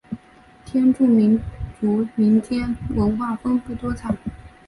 天柱民族民间文化丰富多彩。